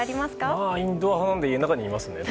まあ、インドア派なので家の中にいますね。